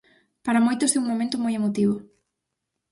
Para moitos é un momento moi emotivo.